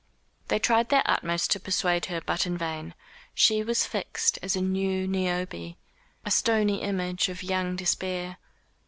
They tried their utmost to persuade her, but in vain. She was fixed as a new Niobe a stony image of young despair.